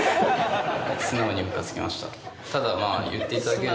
素直にムカつきました